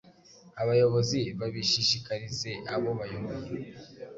abayobozi babishishikarize abo bayoboye